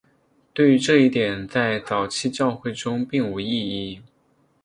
对于这一点在早期教会中并无异议。